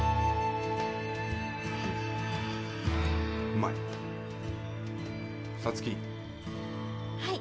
うまい。